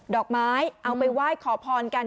ดอกไม้เอาไปไหว้ขอพรกัน